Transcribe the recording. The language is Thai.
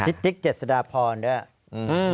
นิติกเจษฎาพรด้วย